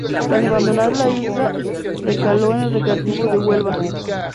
Tras abandonar la Isla, recaló en el Recreativo de Huelva.